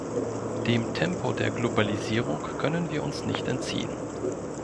Dem Tempo der Globalisierung können wir uns nicht entziehen.